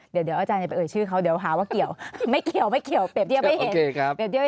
เดี๋ยวเอาอาจารย์อื่นชื่อเขาเดี๋ยวหาว่าเกี่ยวไม่เกี่ยวแปบเดียว